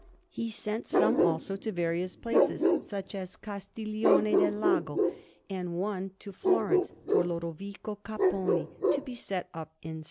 He sent some, also, to various places, such as Castiglione del Lago, and one to Florence for Lodovico Capponi, to be set up in S.